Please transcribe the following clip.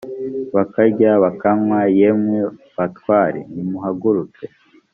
bakarya bakanywa yemwe batware nimuhaguruke